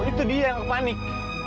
itu dia yang kepanik